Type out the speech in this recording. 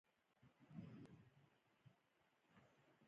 ازادي راډیو د د تګ راتګ ازادي د منفي اړخونو یادونه کړې.